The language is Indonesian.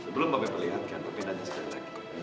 sebelum papi perlihatkan papi nanya sekali lagi